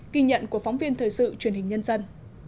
ghi nhận của phóng viên thời sự truyền hình nhân dân